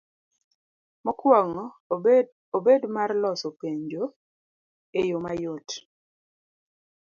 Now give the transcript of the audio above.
Mokuong'o obed mar loso penjo e yo mayot.